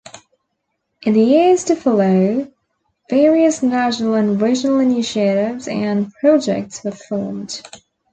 In the years to follow, various national and regional initiatives and projects were formed.